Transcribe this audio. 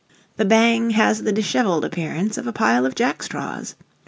The bang has the dishevelled appearance of a pile of jack straws.